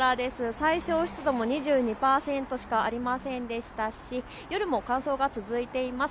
最小湿度も２２％しかありませんでしたし、夜も乾燥が続いています。